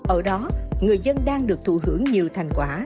ở đó người dân đang được thụ hưởng nhiều thành quả